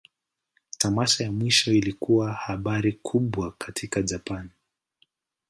Tamasha ya mwisho ilikuwa habari kubwa katika Japan.